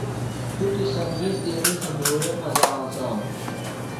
شُکیۡ سبزی تیݨی تھےۡ دُھورے مزہ ہنسانوۡ۔